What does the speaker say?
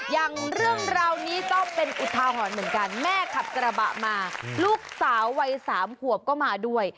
อย่างเรื่องราวนี้ก็เป็นอุทาหรณ์เหมือนกันแม่ขับกระบะมาลูกสาววัย๓ขวบก็มาด้วย